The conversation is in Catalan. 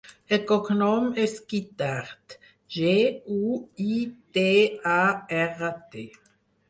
El cognom és Guitart: ge, u, i, te, a, erra, te.